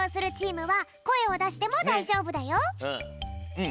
うん。